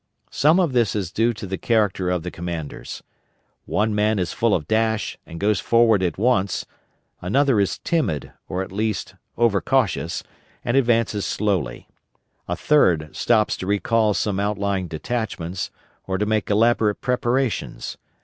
Some of this is due to the character of the commanders. One man is full of dash, and goes forward at once; another is timid, or at least over cautious, and advances slowly; a third stops to recall some outlying detachments, or to make elaborate preparations.